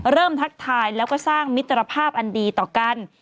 ทักทายแล้วก็สร้างมิตรภาพอันดีต่อกัน